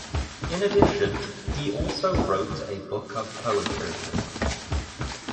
In addition, he also wrote a book of poetry.